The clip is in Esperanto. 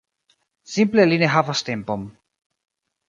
Simple li ne havas tempon.